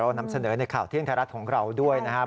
นำเสนอในข่าวเที่ยงไทยรัฐของเราด้วยนะครับ